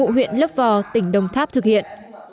vụ huyện lấp vò tỉnh đông tháp thực hiện